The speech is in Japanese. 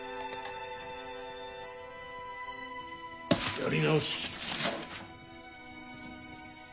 やり直し。